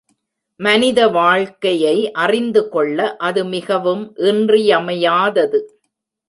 மனித வாழ்க்கையை அறிந்து கொள்ள அது மிகவும் இன்றியமையாதது.